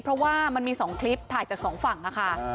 เพราะว่ามันมีสองคลิปถ่ายสำหรับสองฝั่งค่ะ